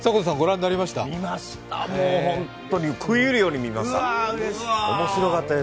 見ました、本当に食い入るように見ました、面白かったです。